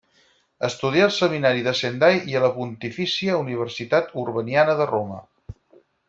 Estudià al seminari de Sendai i a la Pontifícia Universitat Urbaniana de Roma.